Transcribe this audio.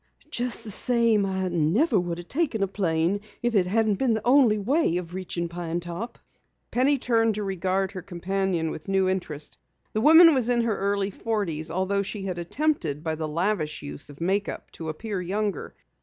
"Just the same I never would have taken a plane if it hadn't been the only way of reaching Pine Top." Penny turned to regard her companion with new interest. The woman was in her early forties, though she had attempted by the lavish use of make up to appear younger.